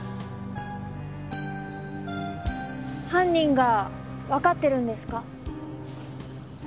犯人がわかってるんですか？